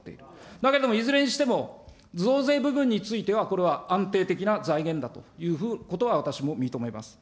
だけどもいずれにしても、増税部分についてはこれは安定的な財源だということは、私も認めます。